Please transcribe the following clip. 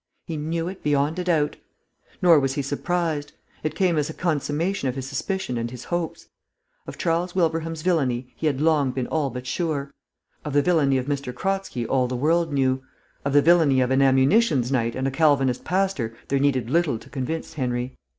He knew it beyond a doubt. Nor was he surprised. It came as a consummation of his suspicion and his hopes. Of Charles Wilbraham's villainy he had long been all but sure; of the villainy of M. Kratzky all the world knew; of the villainy of an ammunitions knight and a Calvinist pastor there needed little to convince Henry.